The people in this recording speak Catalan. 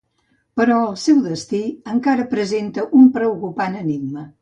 Però el seu destí encara presenta un preocupant enigma: